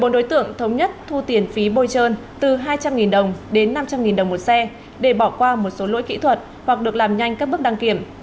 bốn đối tượng thống nhất thu tiền phí bôi trơn từ hai trăm linh đồng đến năm trăm linh đồng một xe để bỏ qua một số lỗi kỹ thuật hoặc được làm nhanh các bước đăng kiểm